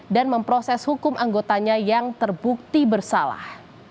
dan memproses hukum anggotanya yang terbukti bersalah